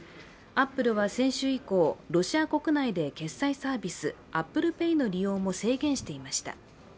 アップルは先週以降、ロシア国内で決済サービス、アップルペイの利用も制限していました。